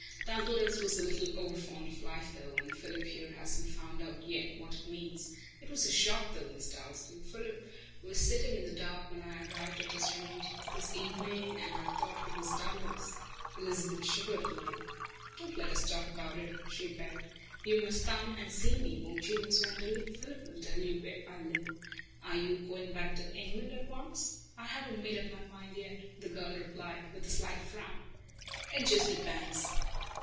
Douglas was a little overfond of life, though, and Philip here hasn't found out yet what it means. It was a shock, though, Miss Dalstan. Philip was sitting in the dark when I arrived at his rooms this evening, and I thought it was Douglas." Elizabeth shivered a little. "Don't let us talk about it," she begged. "You must come and see me, won't you, Miss Wenderley? Philip will tell you where I live. Are you going back to England at once?" "I haven't made up my mind yet," the girl replied, with a slight frown. "It just depends."